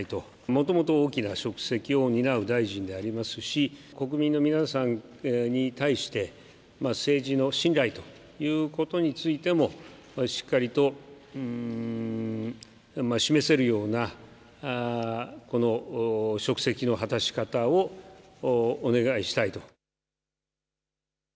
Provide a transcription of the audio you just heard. もともと大きな職責を担う大臣でありますし国民の皆さんに対して政治の信頼ということについてもしっかりと示せるようなこの、職責の果たし方をお願いしたいと。